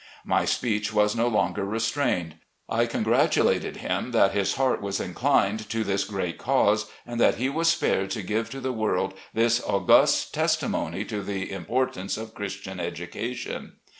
My speech was no longer restrained. I congratulated him that his heart was inclined to this great cause, and that he was spared to give to the world PRESIDENT OP WASHINGTON COLLEGE 183 this august testimony to the importance of Christian education.